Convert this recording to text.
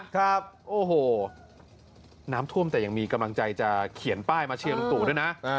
ครับโอ้โหน้ำท่วมแต่ยังมีกำลังใจจะเขียนป้ายมาเชียร์ลุงตู่ด้วยนะ